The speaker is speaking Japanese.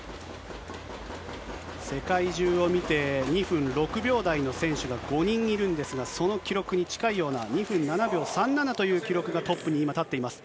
世界中を見て、２分６秒台の選手が５人いるんですが、その記録に近いような、２分７秒３７という記録が現在、今、トップに立っています。